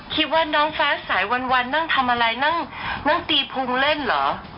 คิดว่าน้องฟ้าสายวันนั่งทำอะไรนั่งตีพุงเล่นเหรอ